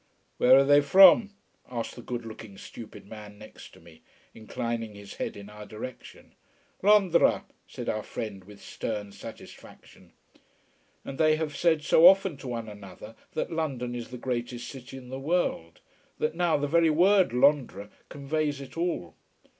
"Where are they from?" asked the good looking stupid man next to me, inclining his head in our direction. "Londra," said our friend, with stern satisfaction: and they have said so often to one another that London is the greatest city in the world, that now the very word Londra conveys it all.